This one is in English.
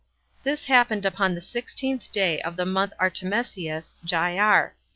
This happened upon the sixteenth day of the month Artemisius [Jyar].